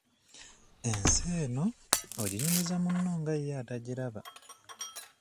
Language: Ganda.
Ensi eno oginyumiza munno nga ye atagiraba.